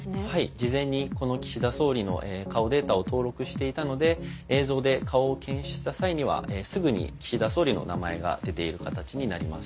事前にこの岸田総理の顔データを登録していたので映像で顔を検出した際にはすぐに岸田総理の名前が出ている形になります。